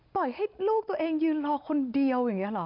ปล่อยให้ลูกตัวเองยืนรอคนเดียวอย่างนี้เหรอ